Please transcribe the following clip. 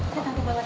tantang aku bawa